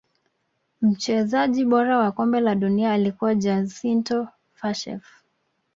mchezaji bora wa kombe la dunia alikuwa giasinto faccheff